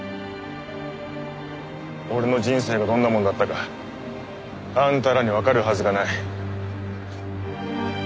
俺の人生がどんなもんだったかあんたらにわかるはずがない。